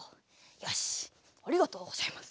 よしありがとうございます。